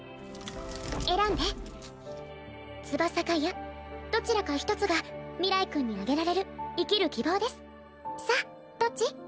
選んで翼か矢どちらか一つが明日君にあげられる生きる希望ですさあどっち？